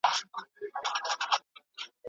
او لمر هم لا ځان ټول سیزلی نه دی